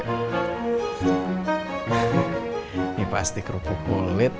ini pasti kerupuk bolet